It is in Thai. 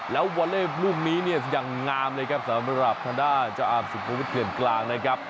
แล้ววอเลฟรูปนี้เนี่ยยังงามเลยครับสำหรับทางด้านเจ้าอาบสุนวิเชียรกลางนะครับ